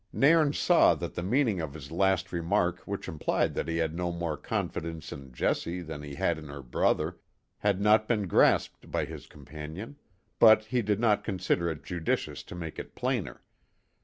Nairn saw that the meaning of his last remark which implied that he had no more confidence in Jessie than he had in her brother, had not been grasped by his companion, but he did not consider it judicious to make it plainer.